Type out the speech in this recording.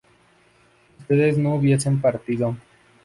ustedes no hubiesen partido